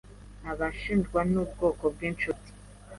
Abashinwa ni ubwoko bwinshuti.